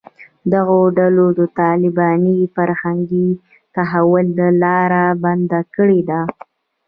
دغو ډلو د طالباني فرهنګي تحول لاره بنده کړې ده